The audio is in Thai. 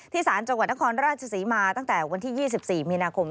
ศาลจังหวัดนครราชศรีมาตั้งแต่วันที่๒๔มีนาคม